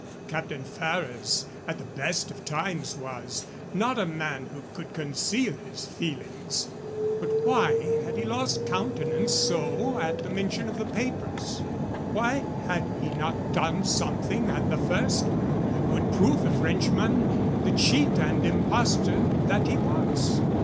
Captain Ferrers, at the best of times, was not a man who could conceal his feelings; but why had he lost countenance so at the mention of papers? Why had he not done something at the first that would prove the Frenchman the cheat and impostor that he was?